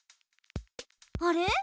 あれ？